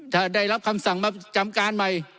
ถ้าได้รับคำสั่งมาจำการใหม่